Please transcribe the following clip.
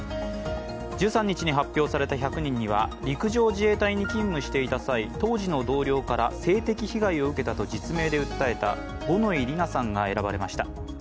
１３日に発表された１００人には陸上自衛隊に勤務していた際、当時の同僚から性的被害を受けたと実名で訴えた五ノ井里奈さんが選ばれました。